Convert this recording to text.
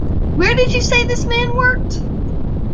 Where did you say this man worked?